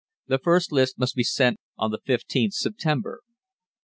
The first list must be sent on the 15th September.